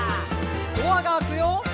「ドアが開くよ」